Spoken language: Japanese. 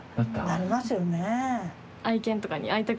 なりますよね。